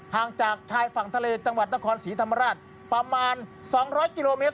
ห่างจากชายฝั่งทะเลจังหวัดนครศรีธรรมราชประมาณ๒๐๐กิโลเมตร